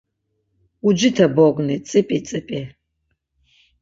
Ucite bogni tzip̌i, tzip̌i.